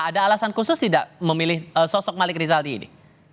ada alasan khusus tidak memilih sosok malik rizaldi ini